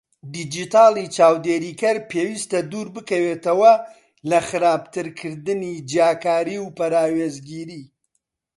دیجیتاڵی چاودێرکەر پێویستە دووربکەوێتەوە لە خراپترکردنی جیاکاری و پەراوێزگیری؛